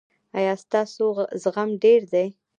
ایا ستاسو زغم ډیر دی؟